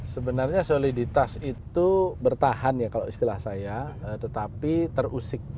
sebenarnya soliditas itu bertahan ya kalau istilah saya tetapi terusik